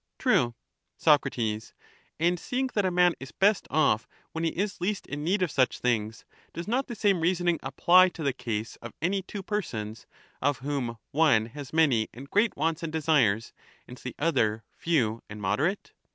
True. Soc. And seeing that a man is best off when he is least in so he is best need of such things, does not the same reasoning applv to offwhohas 6 ' s rr y fewest desires the case of any two persons, of whom one has many and great wants and desires, and the other few and moderate?